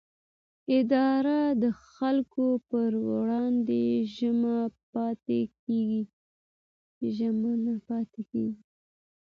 اداره د خلکو پر وړاندې ژمن پاتې کېږي.